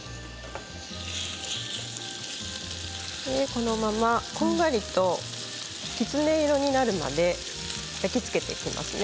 このまま、こんがりとキツネ色になるまで焼き付けていきます。